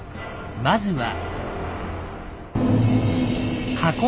まずは。